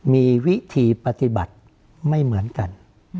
มีวิธีปฏิบัติไม่เหมือนกัน